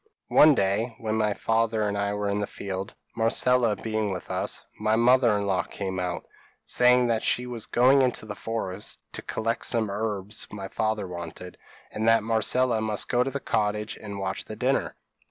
p> "One day, when my father and I were in the field, Marcella being with us, my mother in law came out, saying that she was going into the forest to collect some herbs my father wanted, and that Marcella must go to the cottage and watch the dinner.